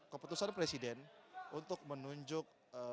keputusan presiden untuk menunjuk